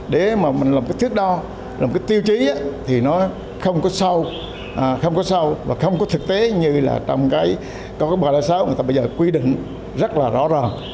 để mà mình làm cái thước đo làm cái tiêu chí thì nó không có sâu không có sâu và không có thực tế như là trong cái bài đại sáu người ta bây giờ quy định rất là rõ ràng